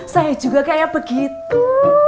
saya juga kayak begitu